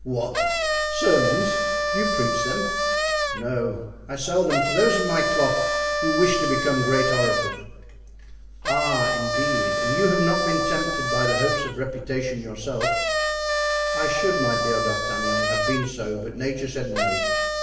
"What! sermons? Do you preach them?" "No; I sell them to those of my cloth who wish to become great orators." "Ah, indeed! and you have not been tempted by the hopes of reputation yourself?" "I should, my dear D'Artagnan, have been so, but nature said 'No.